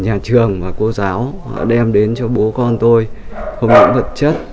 nhà trường và cô giáo đem đến cho bố con tôi không những vật chất